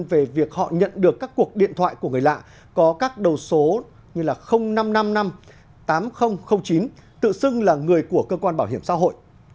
về việc họ nhận được các cuộc điện thoại của người lạ có các đầu số như năm trăm năm mươi năm tám nghìn chín tự xưng là người của cơ quan bảo hiểm xã hội